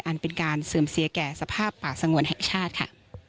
อันเป็นการเสื่อมเสียแก่สภาพป่าสงวนแห่งชาติค่ะ